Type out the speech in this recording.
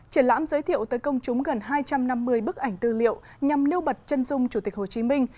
triển lãm giới thiệu tới công chúng gần hai trăm năm mươi bức ảnh tư liệu nhằm nêu bật chân dung chủ tịch hồ chí minh